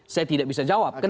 saya tidak bisa jawab